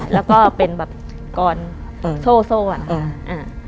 แล้วก็เป็นแบบกรส้วนแบบนั้นค่ะ